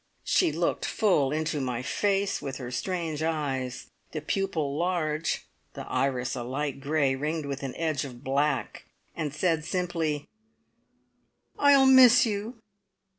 She looked full into my face with her strange eyes, the pupil large, the iris a light grey, ringed with an edge of black, and said simply, "I'll miss you!